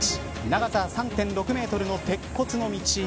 長さ３．６メートルの鉄骨の道。